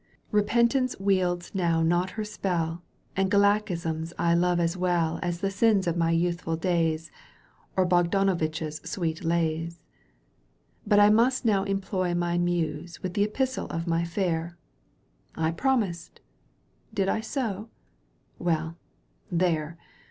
Eepentance wields not now her spell And gallicisms I love as well As the sins of my youthful days Or Bogdanuvitch't sweet lays.*^ But I must now employ my Muse With the epistle of my fair ; I promised !— ^Did I so ?— ^Well, there